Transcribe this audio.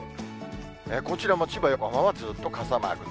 こちらも千葉、横浜はずっと傘マーク。